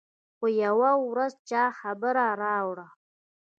خو يوه ورځ چا خبر راوړ.